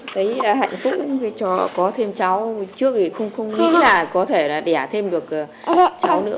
thấy hạnh phúc với chó có thêm cháu trước thì không nghĩ là có thể đẻ thêm được cháu nữa